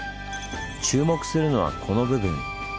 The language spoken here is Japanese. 注目するのはこの部分。